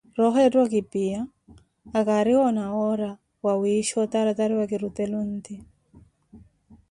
Rooho yetta okipiya, akariwoona woora wa wiisha otaratariwa kurutela onti.